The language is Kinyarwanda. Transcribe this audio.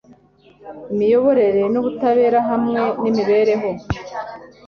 imiyoborere n ubutabera hamwe n imibereho